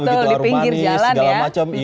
arum manis segala macam